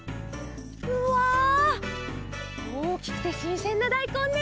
うわおおきくてしんせんなだいこんね。